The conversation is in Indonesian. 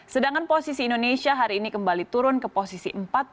sedangkan posisi indonesia hari ini kembali turun ke posisi empat puluh lima